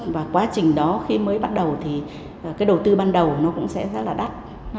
và quá trình đó khi mới bắt đầu thì cái đầu tư ban đầu nó cũng sẽ rất là đắt